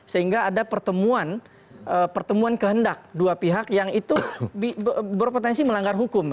sehingga ada pertemuan kehendak dua pihak yang itu berpotensi melanggar hukum